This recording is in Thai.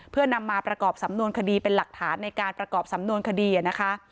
เพื่อนำมาประกอบสำนวนคดีเป็นหลักฐานในการประกอบสำนวนคดีนะคะ